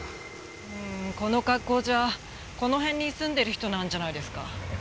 うんこの格好じゃこの辺に住んでる人なんじゃないですか？